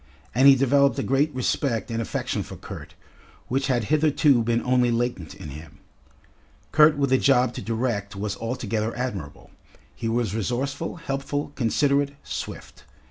And he developed a great respect and affection for Kurt, which had hitherto been only latent in him. Kurt with a job to direct was altogether admirable; he was resourceful, helpful, considerate, swift.